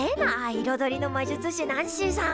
いろどりのまじゅつ師ナンシーさん。